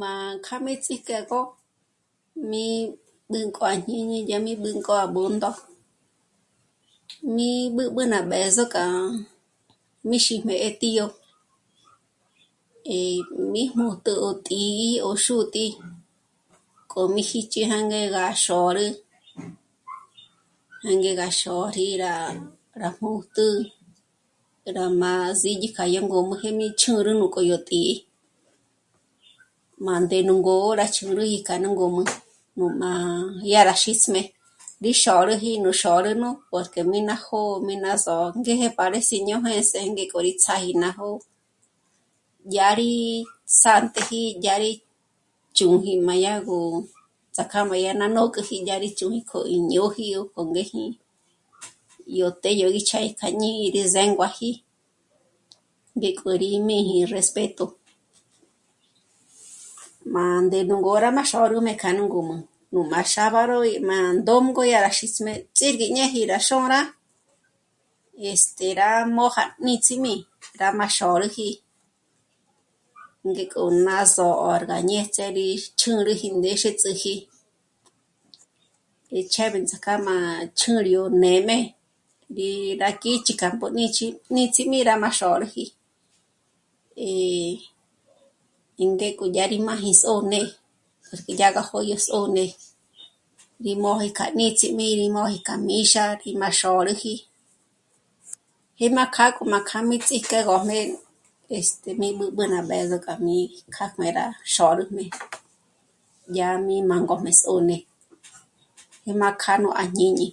Má kjâ'a mí ts'íjkegö mí mbǘkju á jñíñi yá mí b'ǜnk'o à Bṓndo. Mí b'ǚb'ü ná b'ë̌zo k'a mí xijmé ín tío e mí jmǘtjü yó tǐ'í, ó xútǐ'i k'o mí jích'i jânge gá xôrü, jânge gá xôrí rá mǘjtjü, rá má sídyi k'a yó ngǔm'ü jé mí ch'ǘrü k'o yó tǐ'i. Mândé nú ngô'o rá xôrü k'a nú ngǔm'ü, nú má'a yá rá xîsm'e, rí xôrüji nú xôrü nù porque mí ná jó'o, mí ná só'o ngéje pa rí síño jês'e ngéko rí ts'áji ná jó'o... yá rí sā̂nteji yá rí ch'únji má yá gó ts'ák'a má ya rí né'e rá jângok'i yá rí ch'úji k'o yó'oji ó k'o ngéji, yó të́'ë yò gí ch'égi kja jñí'i rí zénguaji, ngéko rí né'eji respeto. Má ndé nú ngó rá má xôrü né'e kja nú ngǔm'ü, nú má xábaro má ndôngo yá rá xísm'e ts'íji ñéji rá xôra este... rá mója níts'imi rá má xôrüji, ngéko ná sôrga ñéts'é rí chjǘruji ñéts'eji e ch'éb'e ts'ák'a má chjǘryo nê'me ngí rá k'ích'i k'a mbóñichi, níts'imi má xôrüji. Eh... í ngé k'o yá rí máji s'ô'né dyá gá jó'o yó s'ô'ne gí móji k'a míts'i mí rí móji k'a míxa y má xôrüji, jé má kjâ'a k'u má kjâ'a mí ts'íjk'e ngé gó mé este... mí b'ǚb'ü ná b'ë̌zo kja mí, kjá jmé'e rá xôrüjme yá mi má ngó'me s'ô'ne, jé má kjâ'a nú à jñíñi